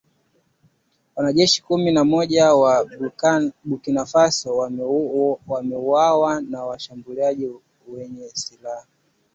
Wanajeshi kumi na mmoja wa Burkina Faso wameuawa na washambulizi wenye silaha